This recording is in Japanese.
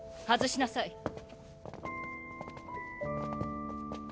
外しなさい。